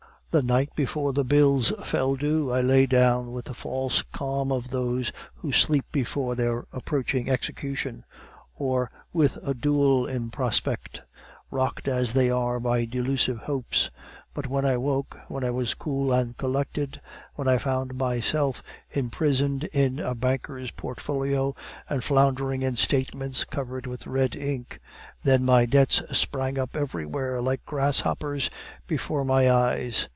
"The night before the bills fell due, I lay down with the false calm of those who sleep before their approaching execution, or with a duel in prospect, rocked as they are by delusive hopes. But when I woke, when I was cool and collected, when I found myself imprisoned in a banker's portfolio, and floundering in statements covered with red ink then my debts sprang up everywhere, like grasshoppers, before my eyes.